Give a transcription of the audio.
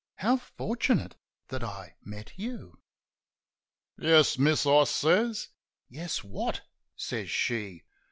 How fortunate that I met you !" "Yes, miss," I says. "Yes — what?" says she.